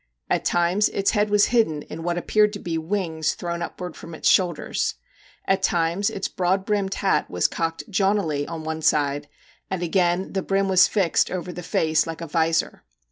At times its head was hidden in what appeared to be wings thrown upward from its shoulders ; at times its broad brimmed hat was cocked jauntily on one side, and again the brim was fixed over the face like a visor.